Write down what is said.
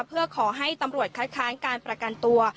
เพื่อขอให้ตำรวจคัดค้านการประกันตัว